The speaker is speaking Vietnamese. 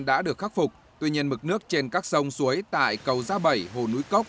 đã được khắc phục tuy nhiên mực nước trên các sông suối tại cầu gia bảy hồ núi cốc